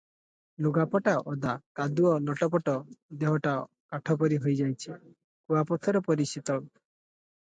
ଲୁଗାପଟା ଓଦା, କାଦୁଅ ଲଟପଟ, ଦେହଟା କାଠ ପରି ହୋଇଯାଇଛି, କୁଆପଥର ପରି ଶୀତଳ ।